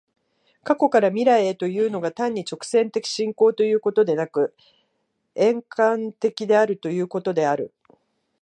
過去から未来へというのが、単に直線的進行ということでなく、円環的であるということである。